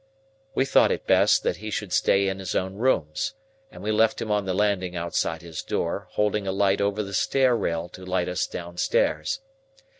We thought it best that he should stay in his own rooms; and we left him on the landing outside his door, holding a light over the stair rail to light us downstairs.